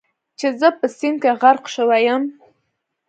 چې زه په سیند کې غرق شوی یم.